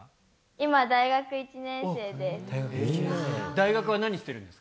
今、大学１年生です。